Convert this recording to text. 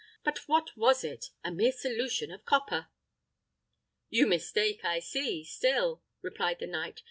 But what was it? A mere solution of copper." "You mistake, I see, still," replied the knight.